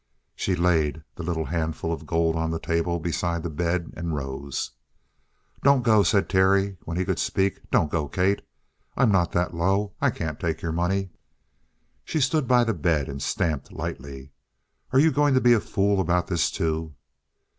She laid the little handful of gold on the table beside the bed and rose. "Don't go," said Terry, when he could speak. "Don't go, Kate! I'm not that low. I can't take your money!" She stood by the bed and stamped lightly. "Are you going to be a fool about this, too?"